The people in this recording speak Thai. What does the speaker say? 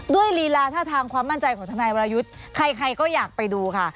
ลีลาท่าทางความมั่นใจของทนายวรยุทธ์ใครก็อยากไปดูค่ะ